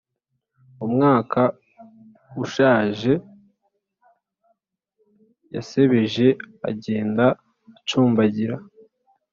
umwaka ushaje yasebeje agenda acumbagira